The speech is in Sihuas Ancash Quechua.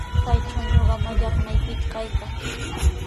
Kaytraw ñuqa mallaqnaypita kaykaa.